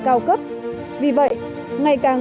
cao cấp vì vậy ngày càng